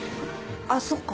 あっそっか。